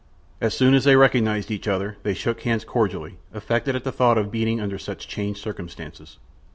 As soon as they recognized each other they shook hands cordially, affected at the thought of meeting under such changed circumstances.